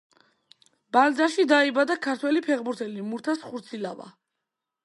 ბანძაში დაიბადა ქართველი ფეხბურთელი მურთაზ ხურცილავა.